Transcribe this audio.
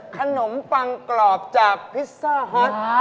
ขนมปังกรอบจากพิซซ่าฮอต